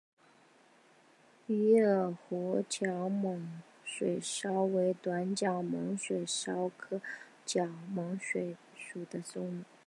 鱼饵湖角猛水蚤为短角猛水蚤科湖角猛水蚤属的动物。